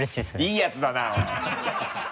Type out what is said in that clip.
いいやつだなおい！